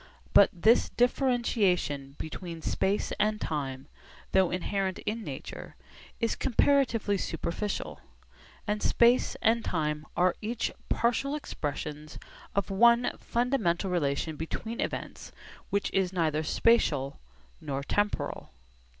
But this differentiation between space and time, though inherent in nature, is comparatively superficial; and space and time are each partial expressions of one fundamental relation between events which is neither spatial nor temporal.